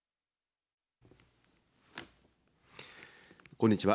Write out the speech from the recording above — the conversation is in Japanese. こんにちは。